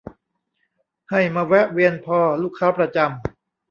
ให้มาแวะเวียนพอ ลูกค้าประจำ